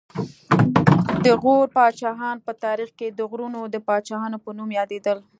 د غور پاچاهان په تاریخ کې د غرونو د پاچاهانو په نوم یادېدل